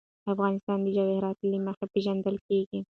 افغانستان د جواهرات له مخې پېژندل کېږي.